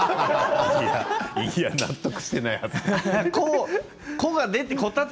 いや納得していないはず。